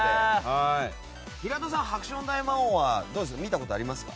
平田さん「ハクション大魔王」は見たことありますか？